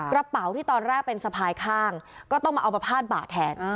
กระเป๋าที่ตอนแรกเป็นสะพายข้างก็ต้องมาเอามาพาดบ่าแทน